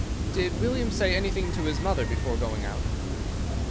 "Did William say anything to his mother before going out?"